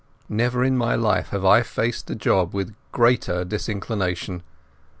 Never in my life have I faced a job with greater disinclination.